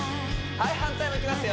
はい反対もいきますよ